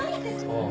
ああ。